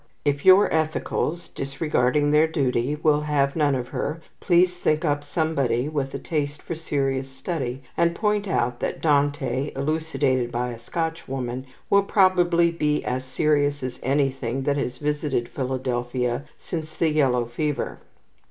If your Ethicals (disregarding their duty) will have none of her, please think up somebody with a taste for serious study, and point out that Dante, elucidated by a Scotchwoman, will probably be as serious as anything that has visited Philadelphia since the yellow fever.